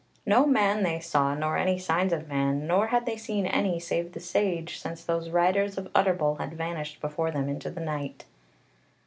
No man they saw, nor any signs of man, nor had they seen any save the Sage, since those riders of Utterbol had vanished before them into the night.